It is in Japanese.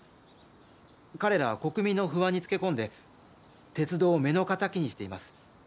彼らは国民の不安につけ込んで鉄道を目の敵にしています。